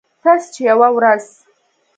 تاسې چې یوه ورځ